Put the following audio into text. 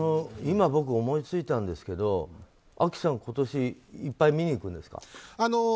僕、いま思いついたんですけどＡＫＩさん、今年いっぱい見に行くんですか？